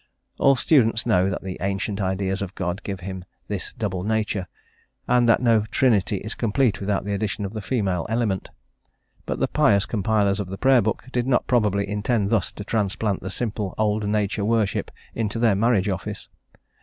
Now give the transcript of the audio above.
All students know that the ancient ideas of God give him this double nature, and that no trinity is complete without the addition of the female element; but the pious compilers of the Prayer Book did not probably intend thus to transplant the simple old nature worship into their marriage office.